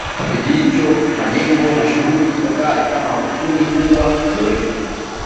Kipindi hicho ndicho majengo mashuhuri ya kale kama Husuni Kubwa kuboreshwa